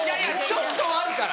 ちょっとはあるから。